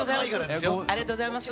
ありがとうございます。